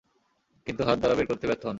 কিন্তু হাত দ্বারা বের করতে ব্যর্থ হন।